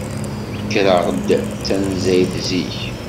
Kkreɣ-d tanzayt zik.